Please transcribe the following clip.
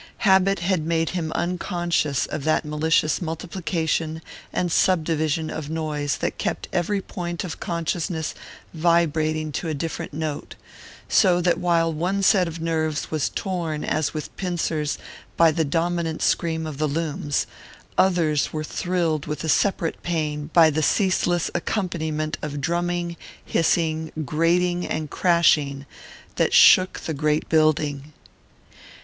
Habit had made him unconscious of that malicious multiplication and subdivision of noise that kept every point of consciousness vibrating to a different note, so that while one set of nerves was torn as with pincers by the dominant scream of the looms, others were thrilled with a separate pain by the ceaseless accompaniment of drumming, hissing, grating and crashing that shook the great building.